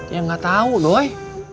ya gak tau doi